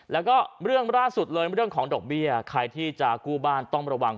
แล้วก็เรื่องล่าสุดเลยเรื่องของดอกเบี้ยใครที่จะกู้บ้านต้องระวัง